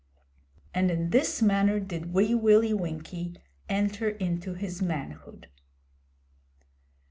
And in this manner did Wee Willie Winkie enter into his manhood.